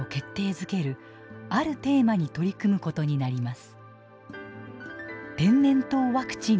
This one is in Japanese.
づけるあるテーマに取り組むことになります。